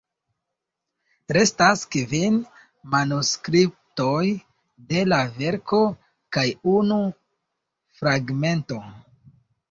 Restas kvin manuskriptoj de la verko, kaj unu fragmento.